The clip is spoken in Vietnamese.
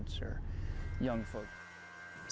thường là những người trẻ trẻ